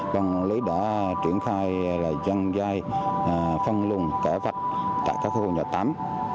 băng lấy đã triển khai dân dai phân lùng kẻ vạch tại các khu nhà tắm